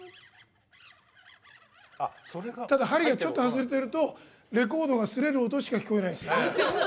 ただ、針がちょっと外れてるとレコードがすれる音しか聞こえないです。